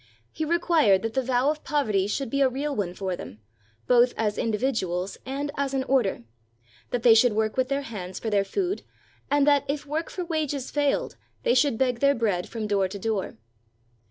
He required that the vow of poverty should be a real one for them, both as individ uals and as an order; that they should work with their hands for their food; and that, if work for wages failed, they should beg their bread from door to door.